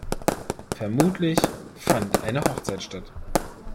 Vermutlich fand eine Hochzeit statt.